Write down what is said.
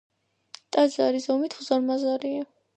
ტაძარი ზომით უზარმაზარია.